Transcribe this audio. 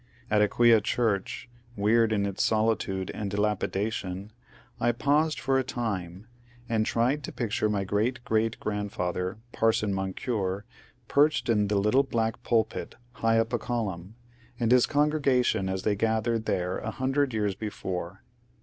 ^ At Aquia church, weird in its solitude and dilapidation, I paused for a time, and tried to picture my great gpreat grandf ather, Parson Moncure, perched in the little black pulpit high up a column, and his congregation as they gathered there a hundred years before.